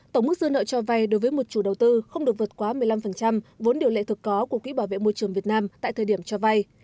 tổng mức dư nợ cho vay đối với một chủ đầu tư không được vượt quá một mươi năm vốn điều lệ thực có của quỹ bảo vệ môi trường việt nam tại thời điểm cho vay